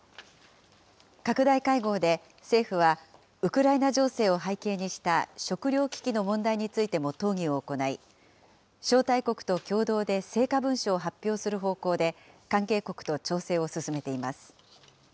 拡大会合で、政府は、ウクライナ情勢を背景にした食料危機の問題についても討議を行い、招待国と共同で成果文書を発表する方向で、関係国と調整を進めています。